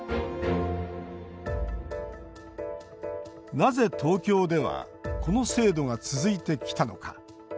なぜ東京ではこの制度が続いてきたのか。